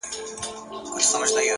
ارام ذهن غوره پرېکړې کوي،